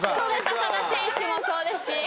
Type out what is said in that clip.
浅田選手もそうですし。